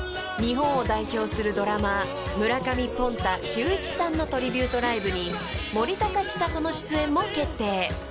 ［日本を代表するドラマー村上”ポンタ”秀一さんのトリビュートライブに森高千里の出演も決定］